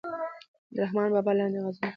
د رحمان بابا لاندې غزل